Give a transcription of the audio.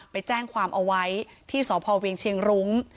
ไปแจ้งความเอาไว้ที่สพเวียงเชียงรุ้ง